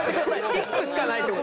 １個しかないって事？